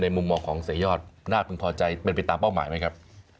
ในมุมเหมาะของเสยอดน่ากันพอใจเป็นไปตามเป้าหมายไหมครับ